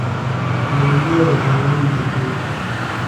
لومئی حیریان بھےۡ گی۔